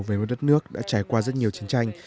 về một đất nước đã trải qua rất nhiều chiến tranh